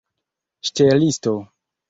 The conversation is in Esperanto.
ŝtelisto